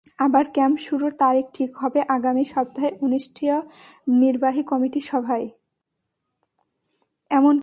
এমনকি তারা ইলমুল আহকামের পর্যন্ত শরণাপন্ন হয়েছেন।